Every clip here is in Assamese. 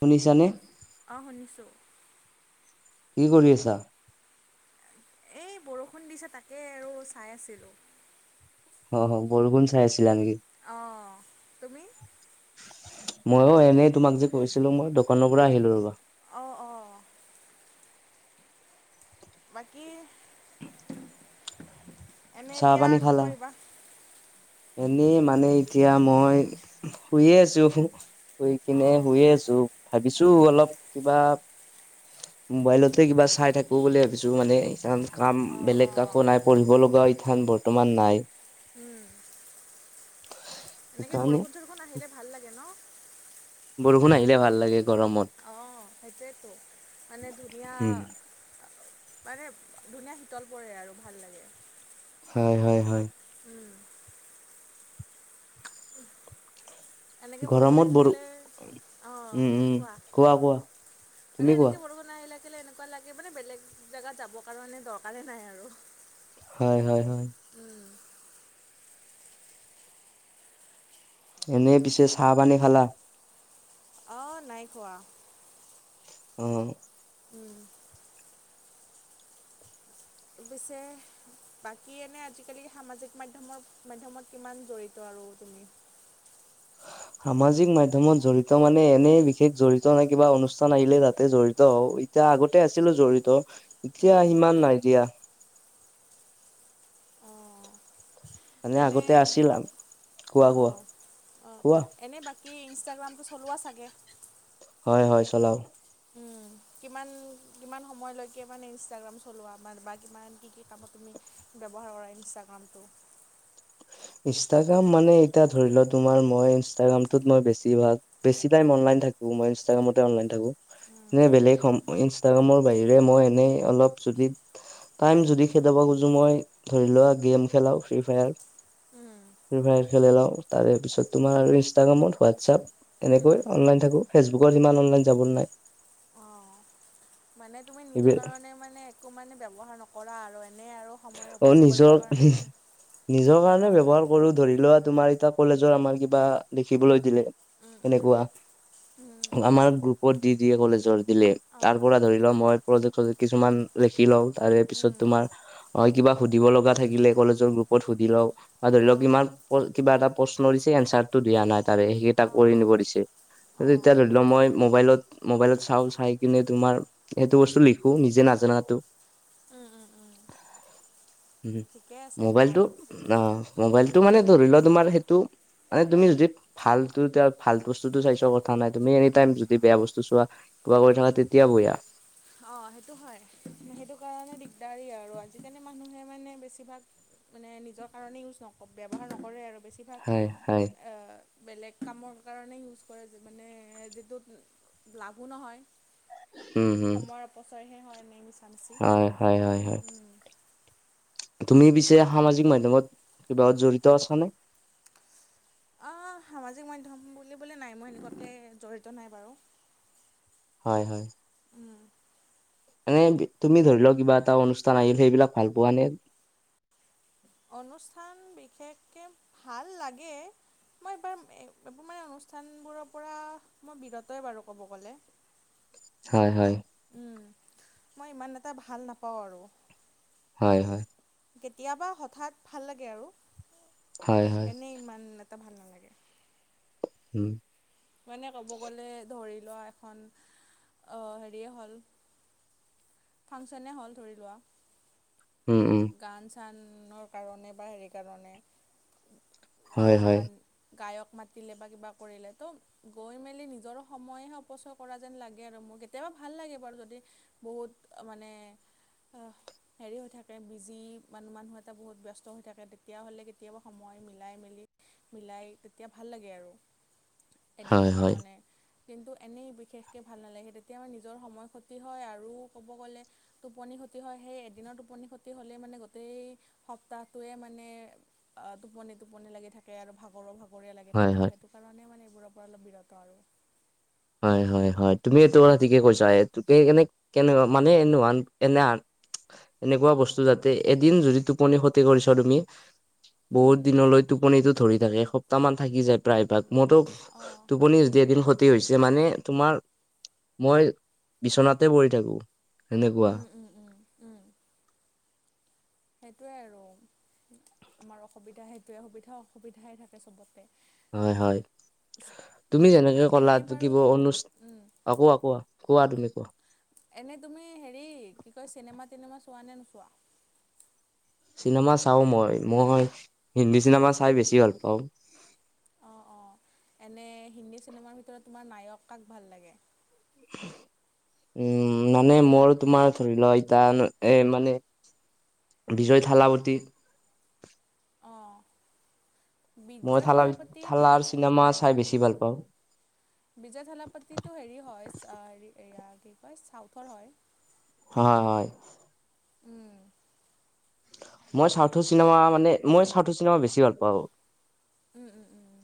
শুনিছা নে? অ শুনিছোঁ। কি কৰি আছা? এই বৰষুণ দিছে তাকেই আৰু চাই আছিলো। অ, বৰষুণ চাই আছিলা নেকি? অ তুমি? ময়ো এনেই তোমাক যে কৈছিলো মই দোকানৰ পৰা আহিলো ৰবা। অ অ। বাকী এনে চাহ এতিয়া পানী কি খালা? কৰিবা? এনেই মানে এতিয়া মই শুইে আছো। শুই কিনে অঁ শুয়ে আছো, ভাবিছো উম অলপ কিবা মোবাইলতে কিবা চাই থাকো বুলি ভাবিছো মানে কাম-কাম অঁ বেলেগ অঁ কাকো নাই। পঢ়িব লগা ইথান বৰ্তমান নাই। উম, এনেকে সেইকাৰণে বৰষুণ চৰষুণ আহিলে ভাল লাগে ন? বৰষুণ আহিলে ভাল লাগে গৰমত। অ, সেইটোৱেতো মানে ধুনীয়া উম মানে ধুনীয়া শীতল পৰে আৰু ভাল লাগে। হয়-হয়-হয়। উম, [unintelligible] এনেকে বৰষুণ গৰমত আহি বৰো থাকিলে অ, উম উম কোৱা কোৱা তুমি মানে কোৱা এনেকে বৰষুণ আহিলে কেলে এনেকুৱা লাগে মানে বেলেগ জেগাত যাবৰ কাৰণে দৰকাৰেই নাই আৰু। হয়- হয়- হয়। উম, এনেই পিছে চাহ পানী খালা? অ, নাই খোৱা। উম, উম, পিছে বাকী এনে আজিকালি সামাজিক মাধ্যমৰ - মাধ্যমত কিমান জড়িত? ত আৰু তুমি? সামাজিক মাধ্যমত জড়িত মানে এনে বিশেষ জড়িত নাই কিবা অনুষ্ঠান আহিলে তাতে জড়িত হও। এতিয়া আগতে আছিলো জড়িত এতিয়া উম, উম। সিমান নাই দিয়া। অ', মানে এনে আগতে আছিল কোৱা অ', কোৱা অ', অ', কোৱা এনে বাকী কি ইনষ্টাগ্ৰামটো চলোৱা চাগে? হয় - হয় চলাও। উম, কিমান - কিমান সময়লৈকে মানে ইনষ্টাগ্ৰাম চলোৱা? বান বা কিমান কি - কি কামত তুমি ব্যৱহাৰ কৰা ইঞ্চষ্টাগ্ৰামটো। ইনষ্টাগ্ৰাম মানে এতিয়া ধৰি লও তোমাৰ মই ইনষ্টাগ্ৰামটোত মই বেছি ভাগ বেছি টাইম অনলাইন থাকো মই ইনষ্টাগ্ৰামতে অনলাইন থাকো। উম, এনে বেলেগ ইনষ্টাগ্ৰামৰ বাহিৰে মই এনেই অলপ যদি টাইম যদি খেদাব খুজো মই ধৰি লোৱা গেম খেলাও ফ্ৰী ফায়াৰ। উম, ফ্ৰী ফায়াৰ খেলি লাও তাৰে পিছত তোমাৰ আৰু ইনষ্টাগ্ৰামত হোৱাটছআপ। উম, এনেকৈ উম। অনলাইন থাকো ফেচবুকত ইমান অনলাইন যাব নাই। অ', মানে তুমি নিজৰ এইবিলাক কাৰণে মানে একো মানে ব্যৱহাৰ নকৰা আৰু এনেই আৰু। সময় অ, অপচয় কৰিবৰ নিজৰ কাৰণে - নিজৰ কাৰণে কৰা ব্যৱহাৰ আৰু কৰো। ধৰি লোৱা তুমাৰ এতিয়া কলেজৰ আমাৰ কিবা দেখিবলৈ দিলে। উম উম এনেকুৱা উম আমাৰ গ্ৰুপত দি দিয়ে কলেজৰ দিলে। তাৰ অঁ পৰা ধৰি উম লও মই প্ৰহেক্টৰ কিছুমান লিখি লও তাৰে পিছত উম তোমাৰ হয় কিবা সুধিব লগা থাকিলে কলেজৰ গ্ৰুপত সুধি লওক আৰু ধৰি লওক অঁ ইমান কিবা এটা প্ৰশ্ন দিছে এনচাৰটো দিয়া নাই তাৰে সেইকেইটা অঁ কৰি নিব অঁ দিছে। অঁ তেতিয়া ধৰি লও মই মোবাইলত মোবাইলত চাও চাই কিনে তোমাৰ সেইটো বস্তু লিখো নিজে নাজানাতো। উম উম উম [inaudible] উ ঠিকে আছে ভাল মোবাইলটো অ উম মোবাইলটো মানে ধৰি লোৱা তোমাৰ সেইটো মানে তুমি যি ভালটো ভাল বস্তুটো চাই চ কথা নাই তুমি এনি টাইম যদি বেয়া বস্তু চোৱা কিবা কৰি থকা তেতিয়া বহিয়া। অ সেইটো হয় সেইটো কাৰণে দিগদাৰী আৰু আজিকালি মানুহে মানে বেছিভাগ মানে নিজৰ কাৰণে ইউজ নক ব্যৱহাৰ নকৰে আৰু বেছিভাগ। হয় হয় বেলেগ কামৰ কাৰণে ইউজ কৰে যে মানে যিটোত লাভো নহয়। উম হম সময়ৰ অপচয়হে হয় এনেই মিছা মিছি হয় হয় হয় হয় তুমি পিছে সামাজিক মাধ্যমত কিবাহত জড়িত আছা নে? অঁ সামাজিক মাধ্যম বুলিবলৈ নাই মই এনেকুৱাকে জড়িত নাই বাৰু। হয় হয়। উম। মানে তুমি ধৰি লও কিবা এটা অনুষ্ঠান আহিল সেইবিলাক ভাল পোৱা নে? অনুষ্ঠান বিশেষকৈ ভাল লাগে। মই এইবাৰ এইবোৰ মানে অনুষ্ঠানবোৰৰ পৰা মই বিৰতই বাৰু ক'ব গ'লে। হয় হয়। মই ইমান এটা ভাল নাপাওঁ আৰু হয় হয় কেতিয়াবা হঠাৎ ভাল লাগে আৰু হয় হয় এনেই ইমান এটা ভাল নালাগে। হো মানে ক'ব গ'লে ধৰি লোৱা, এখন হেৰিয়ে হ'ল। ফাংচনে হ'ল ধৰি লোৱা। উম উম গান চানৰ কাৰণে বা হেৰি কাৰণে হয় হয় মান। গায়ক মাতিলে বা কিবা কৰিলে তো গৈ মেলি নিজৰ সময়হে ঙ্ক্ৰঈ কৰা যেন লাগে আৰু মোৰ কেতিয়াবা‌ঙউউু ভাল লাগে বাৰু যদি বহুত মানে আহ হেৰি হৈ থাকে বিজি মান মানুহ এটা বহুত ব্যস্ত হৈ থাকে তেতিয়াহ'লে কেতিয়াবা সময় মিলাই মেলি মিলাই তেতিয়া ভাল লাগে আৰু এদিনৰ হয় হয় কাৰণে। কিন্তু এনেই বিশেষকৈ ভাল নালাগে তেতিয়া আমাৰ নিজৰ সময় ক্ষতি হয় আৰু ক'ব গ'লে। টোপনি ক্ষতি হয় সেই এদিনৰ টোপনি ক্ষতি হ'লে মানে গোটেই সপ্তাহটোৱে মানে অ টোপনি টোপনি লাগি থাকে আৰু ভাগৰো ভাগৰ। বৰ লাগি হয় থাকে ত হয় সেইটো কাৰণে মানে এইবোৰৰ পৰা অলপ বিৰত আৰু। হয় হয় হয় তুমি এটো কথা উম ঠিকে কৈছা হে তোক কেনে কেনেকুৱা? মানে এনে এনেহা এনেকুৱা বস্তু যাতে এদিন যদি টোপনি খতি কৰিছা তুমি। উম বহুত দিনলৈ টোপনিটো ধৰি থাকে এসপ্তাহ মান থাকি যায় প্ৰায়ভাগ মোৰতো। অঁ। টোপনি যদি এদিন ক্ষতি হৈছে, মানে তোমাৰ মই বিচনাতে পৰি থাকো। সেনেকুৱা। উম উম উম উম সেইটোৱে আৰু আমাৰ অসুবিধা সেইটোৱে সুবিধা অসুবিধাই থাকে চবতে হয় হয় তুমি উম যেনেকে কলা এনেই বাৰু কিব অনুচ উম অ‌‌ কোৱা কোৱা কোৱা তুমি কোৱা। এনে তুমি হেৰি কি কয়, চিনেমা টিনেমা চোৱা নে নোচোৱা? চিনেমা চাওঁ মই। মই হিন্দী চিনেমা চাই বেছি ভাল পাওঁ। অ', অ', এনে হিন্দী চিনেমাৰ ভিতৰত তোমাৰ নায়ক কাক ভাল লাগে? উম মানে মোৰ তোমাৰ ধৰি লোৱা ইতা এ মানে বিজয় থালাপতী। অ'। মই বজয় থালা থালাপতিত থালাৰ চিনেমা এ চাই বেছি ভাল পাওঁ বিজয় থলাপাতিটো হেৰি হয়, ‌অ‌‌ এয়া কি কয় চাউথৰ হয়? হয়, হয়। উম। মই চাউথৰ চিনেমা মানে মই চাউথ চিনেমা বেছি ভাল পাওঁ। উম, উম, উম।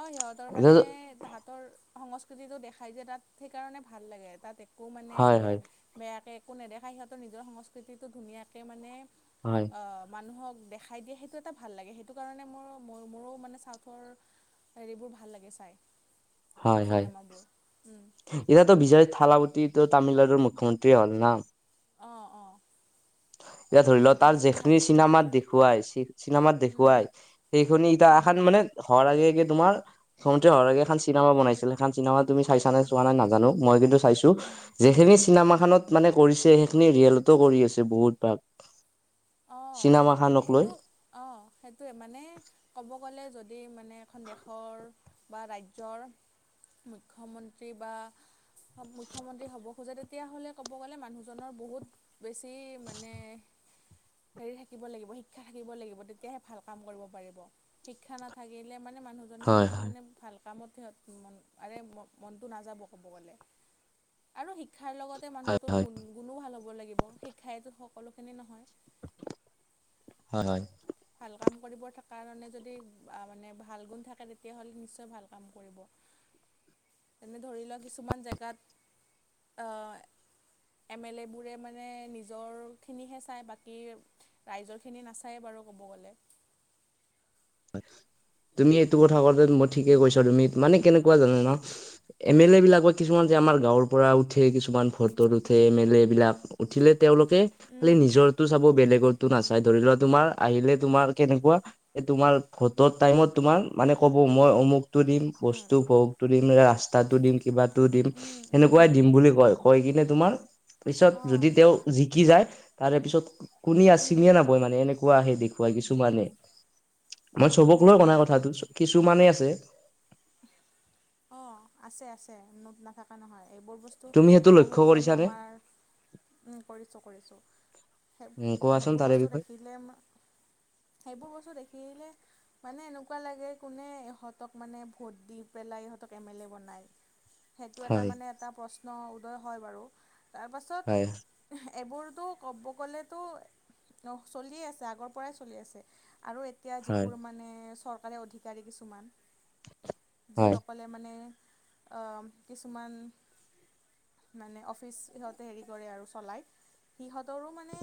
অ', সিহঁতৰ মানে এতিয়া তাহাঁতৰ সংস্কৃতিটো দেখাই যে তাত, সেইকাৰণে ভাল লাগে। তাত একো মানে হয় বেয়া হয় বেয়াকৈ একো নেদেখায়। সিহঁতৰ নিজৰ সংস্কৃতিটো ধুনীয়াকৈ মানে হয়। মানুহক দেখাই দিয়ে সেইটো এটা ভাল লাগে। সেইটো কাৰণে মোৰ ম মোৰো মানে চাউথৰ হেৰিবোৰ ভাল লাগে চাই। হয় হয়। চিনেমাবোৰ উম, এতিয়াতো বিজয় থালাৱতি তো তামিলনাডুৰ মুখ্যমন্ত্ৰীয়ে হ'ল না? অ', অ'। এতিয়া ধৰি লোৱা তাৰ জেখনি চিনেমাত দেখুৱাই, চিনেমাত উম, দেখুৱাই সেইখনি ইতয়া উম, এখন মানে হোৱাৰ আগে-আগে তোমাৰ খতে [unintelligible] আগে এখন চিনেমা বনাইছিলে। এ চিনেমা তুমি চাইছা নে চোৱা নাই নাজানোঁ, মই কিন্তু চাইছোঁ। উম, যেখিনি চিনেমা খনত মানে কৰিছে সেইখিনি ৰিয়েলতো কৰি আছে বহুত ভাগ। অ', চিনেমাখনক লৈ সেইটো অ', সেইটোৱে মানে ক'ব গ'লে যদি মানে এখন দেশৰ বা ৰাজ্যৰ মুখ্যমন্ত্ৰী বা মুখ্যমন্ত্ৰী হ'ব খোজে তেতিয়াহ'লে ক'ব গ'লে মানুহজনৰ বহুত বেছি মানে হেৰি থাকিব লাগিব, শিক্ষা থাকিব লাগিব। তেতিয়াহে ভাল কাম কৰিব পাৰিব শিক্ষা নাথাকিলে মানে মানুহ হয় হয় মানে-মানে ভাল কামত আৰে‌ মনটো নাযাব কব গ'লে। আৰু শিক্ষাৰ লগতে হয় মানুহটোৰ হয় গুণ গুণো ভাল হ'ব লাগিব, শিক্ষাইটো সকলোখিনি নহয়। হয় হয়। ভাল কাম কৰিব থকাৰ কাৰণে যদি মানে ভাল গুণ থাকে তেতিয়াহ'লে নিশ্চয় ভাল কাম কৰিব। [inaudible] এনে ধৰি লোৱা কিছুমান জেগাত, এ এম এল এ বোৰে মানে নিজৰখিনিহে চায়, বাকী ৰাইজৰ খিনি নাচায়ে বাৰু কব গ'লে। তুমি এইটো কথা কওঁতে মই ঠিকে উম কৈছা তুমি মানে কেনেকুৱা জানা না? এম এল এ বিলাক বা কিছুমান যে আমাৰ গাঁৱৰ পৰা উঠে কিছুমান ভটত উঠে এম এল এ বিলাক উঠিলে তেওঁলোকে খালি উম উম। নিজৰটো চাব বেলেগৰ টো নাচাই, ধৰি লোৱা তোমাৰ আহিলে তোমাৰ কেনেকুৱা? তোমাৰ ভটৰ টাইমত তোমাৰ মানে ক'ব মই অমুকতটো দিম বস্তু বহুতো দিম ৰাস্তাটো দিম কিবাটো দিম উম উম সেনেকুৱাই উম দিম বুলি কয়, কয় কিনে তোমাৰ পিছত অঁ যদি তেওঁ জিকি যায় তাৰে পিছত কুনিয়ে উম ছিনি নাপয় মানে এনেকুৱা কোৱাহে দেখুৱাই কিছুমানে, মই চবক লৈ সেইটোৱে কোৱা কথাটো কিছুমানে আছে। অ', আছে-আছে, নোট নাথাকে নহয় এইবোৰ বস্তু তুমি সেইটো লক্ষ্য বহুত মানে কৰিছানে আমাৰ, উম, কৰিছোঁ-কৰিছোঁ। সেই উম কোৱাচোন সেইবোৰ তাৰে বস্তু বিষয়ে দেখিলে সেইবোৰ বস্তু দেখিলে মানে এনেকুৱা লাগে কোনে ইহঁতক মানে ভোট দি পেলাই ইহঁতক এম এল এ বনায়, সেইটো এটা হয় মানে এটা প্ৰশ্ন উদয় হয় বাৰু তাৰপাছত হয় এইবোৰতো ক'ব গ'লেতো অ', চলিয়ে আছে আগৰ পৰাই চলি আছে আৰু এতিয়া হয় যিবোৰ মানে চৰকাৰী অধিকাৰী কিছুমান হয় যিসকলে মানে অম কিছুমান মানে অফিচ সিহঁতে হেৰি কৰে আৰু চলায়। সিহঁতৰো মানে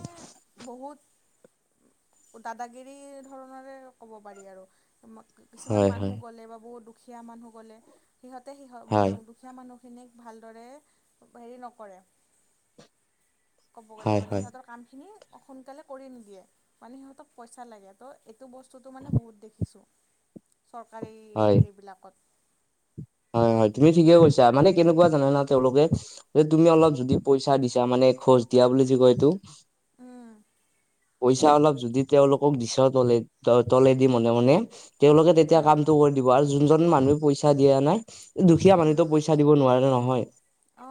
বহুত দাদাগিৰি ধৰণৰে ক'ব পাৰি আৰু। সেমত- কিছুমান হয় হয় মানুহ গ'লে বা বহুত দুখীয়া মানুহ গ'লে সিহঁতে হয় সিহঁত হয় মানে উদো- দুখীয়া মানুহখিনিক ভালদৰে হেৰি নকৰে। ক'ব গ'লে হয় মানে হয় সিহঁতৰ কামখিনি সোনকালে কৰি নিদিয়ে মানে সিহঁতক পইচা লাগে। ত এইটো বস্তুটো মানে বহুত দেখিছোঁ চৰকাৰী হেৰিবিলাকত। হয় হয় তুমি ঠিকে কৈছা মানে কেনেকুৱা জানানা তেওঁলোকে তুমি অলপ যদি পইচা দিছা মানে খোচ দিয়া বুলি যে কয় এইটো উম। পইছা অলপ যদি তেওঁলোকক দিছ তলেদ তলেদি মনে মনে তেওঁলোকে তেতিয়া উম কামটো কৰি দিব আৰু যোনজন মানুহে পইচা দিয়া নাই দুখীয়া উম মানুহো পইচা দিব নোৱাৰে নহয়।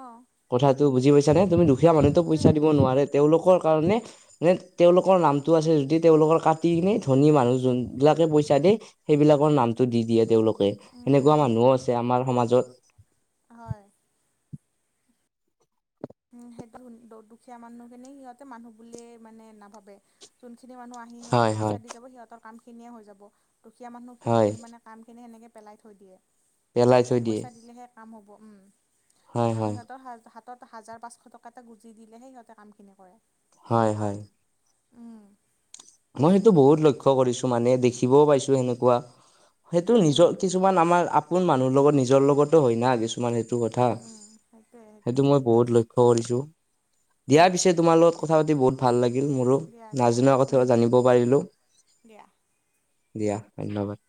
অ। কথাটো বুজি পাইছা নে তুমি দুখীয়া মানুহটোক পইচা দিব নোৱাৰে তেওঁলোকৰ কাৰণে নে তেওঁলোকৰ নামটো আছে যদি তেওঁলোকৰ কাটি কিনে ধনী মানুহ যোনবিলাকে পইচা দে সেইবিলাকৰ নামটো দি দিয়ে তেওঁলোকে উম উম এনেকুৱা উম মানুহো উম আছে আমাৰ সমাজত। হয়। উ সেইটো দুখীয়া মানুহখিনি সিহতে মানুহ বুলিয়ে মানে নাভাবে যোনখিনি মানুহ আ- সিহঁতক হয় হয় পইচা দি যাব সিহঁতৰ কামখিনিয়ে হৈ যাব দুখীয়া হয় মানুহখিনিৰ মানে কামখিনি সেনেকে পেলাই থৈ দিয়ে। পেলাই থৈ দিয়ে পইচা দিলেহে কাম হ'ব উম হয় মানে হয় সিহঁতৰ হাজ হাত হাজাৰ পাঁচশ টকা এটা গুজি দিলেহে সিহঁতে কামখিনি কৰে। হয় হয়। উম। মই সেইটো বহুত লক্ষ্য কৰিছো মানে দেখিবও পাইছো সেনেকুৱা। সেইটো নিজৰ উম কিছুমান আমাৰ আপোন মানুহৰ লগত নিজৰ লগতো হয় না কিছুমান সে- টো কথা উম উম সেইটোৱে সেইটোৱে সেইটো মই বহুত লক্ষ- ক্ষ্য কৰিছোঁ। দিয়া উম পিছে তোমাৰ লগত কথা পাতি বহুত ভাল লাগিল মোৰো দিয়া দিয়া নাজনা উম কথ- জানিব পাৰিলোঁ, দিয়া দিয়া ধন্যবাদ।